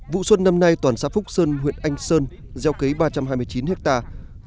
vụ xuân năm nay toàn xã phúc sơn huyện anh sơn gieo cấy ba trăm hai mươi chín hectare